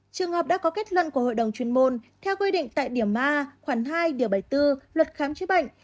trường hợp đã có kết luận của hội đồng chuyên môn theo quy định tại điểm a khoảng hai điều bảy mươi bốn luật khám chữa bệnh